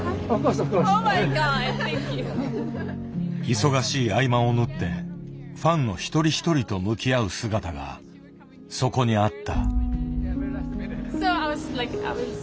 忙しい合間を縫ってファンの一人一人と向き合う姿がそこにあった。